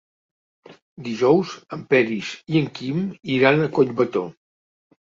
Dijous en Peris i en Quim iran a Collbató.